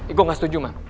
aku gak setuju ma